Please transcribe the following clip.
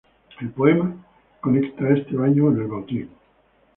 El poema conecta este baño con el Bautismo.